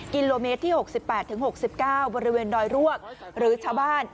กิโลเมตรที่หกสิบแปดถึงหกสิบเก้าบริเวณดอยรวกหรือชาวบ้าน